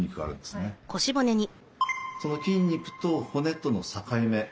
その筋肉と骨との境目